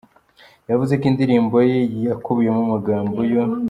Yavuze ko indirimbo ye yakubiyemo amagambo yo